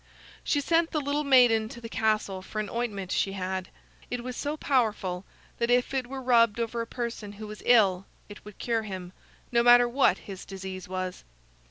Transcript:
She sent the little maiden to the castle for an ointment she had. It was so powerful that if it were rubbed over a person who was ill, it would cure him, no matter what his disease was.